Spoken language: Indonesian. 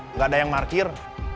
nggak ada yang markir